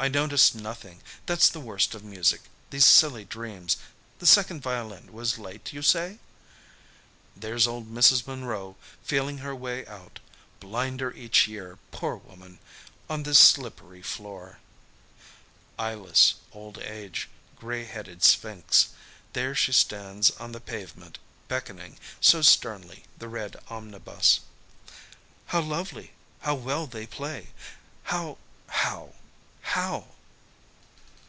I noticed nothing. That's the worst of music these silly dreams. The second violin was late, you say?" "There's old Mrs. Munro, feeling her way out blinder each year, poor woman on this slippery floor." Eyeless old age, grey headed Sphinx.... There she stands on the pavement, beckoning, so sternly, the red omnibus. "How lovely! How well they play! How how how!"